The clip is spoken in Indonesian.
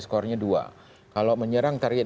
skornya dua kalau menyerang target